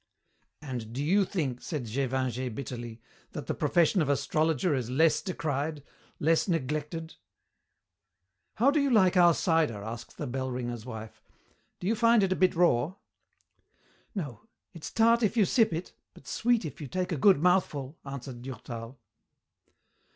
"And do you think," said Gévingey bitterly, "that the profession of astrologer is less decried, less neglected?" "How do you like our cider?" asked the bell ringer's wife. "Do you find it a bit raw?" "No, it's tart if you sip it, but sweet if you take a good mouthful," answered Durtal.